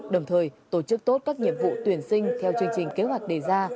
đồng thời tổ chức tốt các nhiệm vụ tuyển sinh theo chương trình kế hoạch đề ra